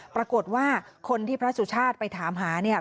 ปรากฏว่าคนที่พระสุชาติไปถามหาเนี่ย